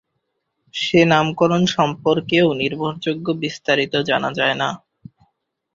সে নামকরণ সম্পর্কেও নির্ভরযোগ্য বিস্তারিত জানা যায়না।